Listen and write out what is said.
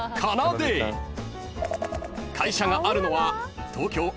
［会社があるのは］